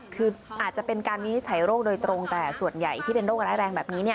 คืออาจจะเป็นการวินิจฉัยโรคโดยตรงแต่ส่วนใหญ่ที่เป็นโรคร้ายแรงแบบนี้